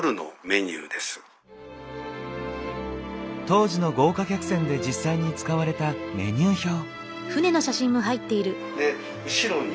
当時の豪華客船で実際に使われたメニュー表。